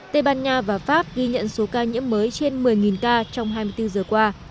tây ban nha và pháp ghi nhận số ca nhiễm mới trên một mươi ca trong hai mươi bốn giờ qua